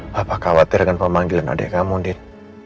papa khawatir dengan pemanggilan adik kamu din